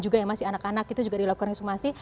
juga yang masih anak anak itu juga dilakukan ekshumasi